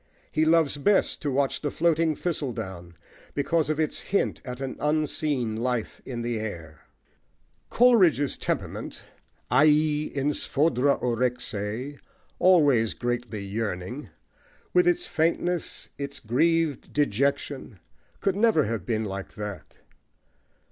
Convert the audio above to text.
He loves best to watch the floating thistledown, because of its hint at an unseen life in the air. Coleridge's temperament, aei en sphodra orexei,+ with its faintness, its grieved dejection, could never have been like that.